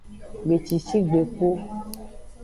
Gbecici gbegbu.